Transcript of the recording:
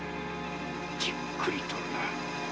じっくりとな。